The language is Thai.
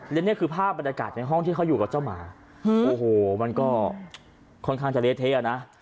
และนี่คือภาพบรรยากาศในห้องที่เขาอยู่กับเจ้าหมาโอ้โหมันก็ค่อนข้างจะเละเทะนะ